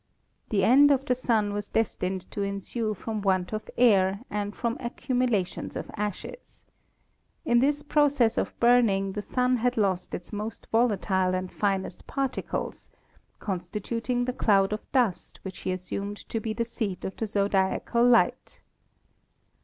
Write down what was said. The end of the Sun was destined to ensue from want of air and from accumulations of ashes. In this process of burning the Sun had lost its most volatile and finest particles, constituting the cloud of dust which he assumed to be the seat of the Zodiacal Light.